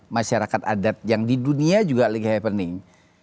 masyarakat adat yang di dunia juga lagi happening